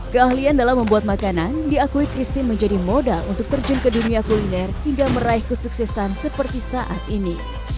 keahlian dalam membuat makanan diakui christine menjadi modal untuk terjun ke dunia kuliner hingga meraih kesuksesan seperti saat ini